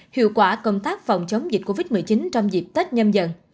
hiệu quả công tác phòng chống dịch covid một mươi chín trong dịp tết nhâm dần